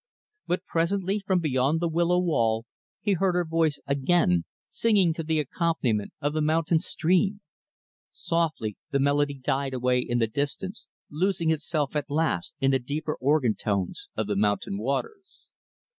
But presently, from beyond the willow wall, he heard her voice again singing to the accompaniment of the mountain stream. Softly, the melody died away in the distance losing itself, at last, in the deeper organ tones of the mountain waters.